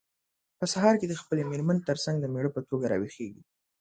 په سهار کې د خپلې مېرمن ترڅنګ د مېړه په توګه راویښیږي.